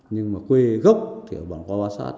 nhưng mà quê gốc thì ở bảng qua bá sát